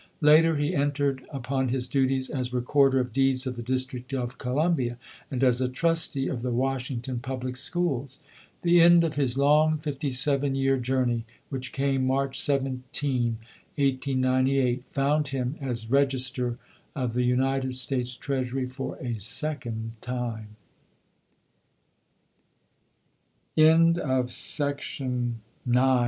Later, he entered up on his duties as Recorder of Deeds of the District of Columbia and as a trustee of the Washington Public Schools. The end of his long fifty seven year journey, which came March 17, 1898, found him as Register of the United States Treasury for a second tim